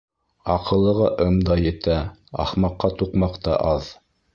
Аҡыллыға ым да етә, ахмаҡка туҡмаҡ та аҙ.